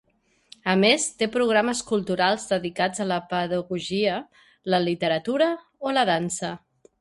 A més, té programes culturals dedicats a la pedagogia, la literatura o la dansa.